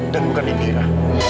dan bukan indira